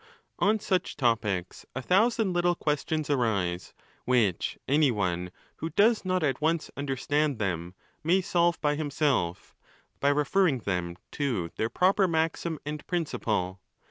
On such topics, a thousand little questions arise, which any one who does not at once understand them may solve by himself, by referring them to their proper maxim and prin ciple.